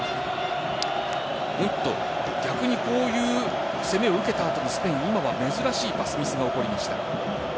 逆にこういう攻めを受けた後スペインは珍しいパスミスが起こりました。